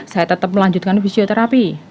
saya tetap melanjutkan fisioterapi